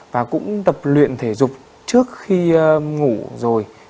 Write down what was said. và cũng tập luyện thể dục trước khi ngủ rồi